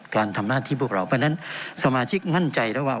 การทำหน้าที่พวกเราเพราะฉะนั้นสมาชิกมั่นใจแล้วว่า